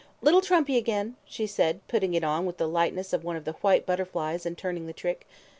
"Little trumpy again," she said, putting it on with the lightness of one of the white butterflies and turning the trick.